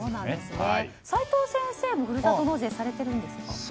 齋藤先生もふるさと納税されてますか。